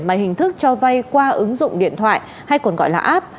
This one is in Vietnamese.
mà hình thức cho vay qua ứng dụng điện thoại hay còn gọi là app